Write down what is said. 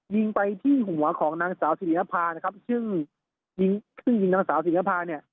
ยิงไปที่หัวของนางสาวสิรินภานะครับซึ่งยิงซึ่งยิงนางสาวศิลภาเนี่ย